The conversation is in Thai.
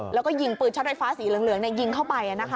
แล้วก็ยิงปืนช็อตไฟฟ้าสีเหลืองยิงเข้าไป